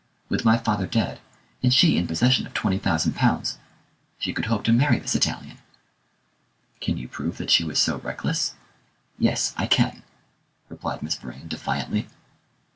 With my father dead, and she in possession of £20,000, she could hope to marry this Italian." "Can you prove that she was so reckless?" "Yes, I can," replied Miss Vrain defiantly.